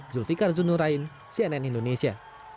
zulfikar zunurain cnn indonesia